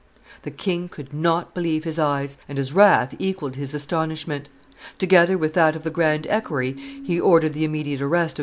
The king could not believe his eyes; and his wrath equalled his astonishment. Together with that of the grand equerry he ordered the immediate arrest of M.